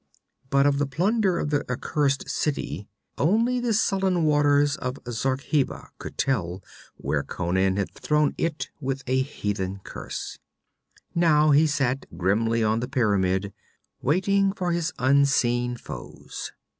But of the plunder of the accursed city, only the sullen waters of Zarkheba could tell where Conan had thrown it with a heathen curse. Now he sat grimly on the pyramid, waiting for his unseen foes.